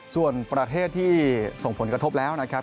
ส่วนประเทศที่ส่งผลกระทบแล้วนะครับ